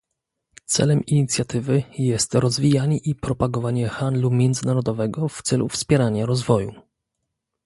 Celem inicjatywy jest rozwijanie i propagowanie handlu międzynarodowego w celu wspierania rozwoju